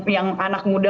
yang anak muda